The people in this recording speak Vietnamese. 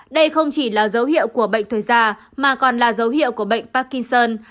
đây không chỉ là dấu hiệu của bệnh thời già mà còn là dấu hiệu của bệnh parkinson